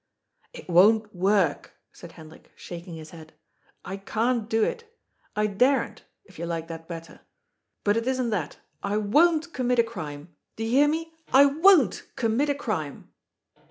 " It won't worTc^'* said Hendrik, shaking his head. " I can't do it. I daren't, if you like that better. But it isn't that. I worCt commit a crime. Do you hear me ? I worCt commit a crime."